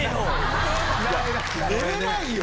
寝れないよ！